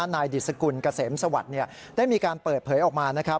นายดิสกุลเกษมสวัสดิ์ได้มีการเปิดเผยออกมานะครับ